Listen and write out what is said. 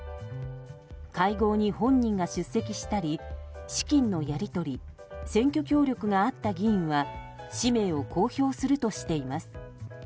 会合に本人が出席したり資金のやり取り選挙協力があった議員は氏名を公表するとしています。